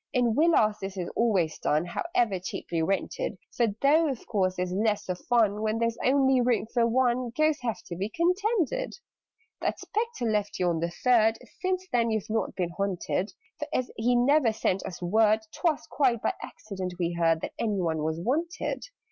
"In Villas this is always done However cheaply rented: For, though of course there's less of fun When there is only room for one, Ghosts have to be contented. "That Spectre left you on the Third Since then you've not been haunted: For, as he never sent us word, 'Twas quite by accident we heard That any one was wanted.